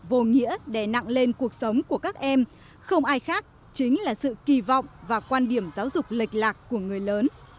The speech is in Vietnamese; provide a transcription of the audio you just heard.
vô nghĩa đè nặng lên cuộc sống của các em không ai khác chính là sự kỳ vọng và quan điểm giáo dục lệch lạc của người lớn